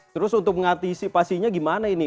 terus untuk mengantisipasinya gimana ini